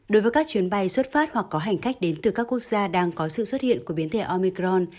đối với các chuyến bay xuất phát hoặc có hành khách đến từ các quốc gia đang có sự xuất hiện của biến thể omicron